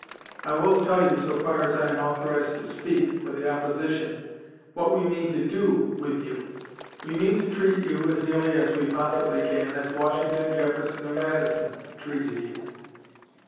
I will tell you, so far as I am authorized to speak for the opposition, what we mean to do with you. We mean to treat you, as nearly as we possibly can, as Washington, Jefferson, and Madison treated you.